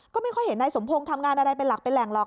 ก็ไม่ค่อยเห็นนายสมพงศ์ทำงานอะไรเป็นหลักเป็นแหล่งหรอก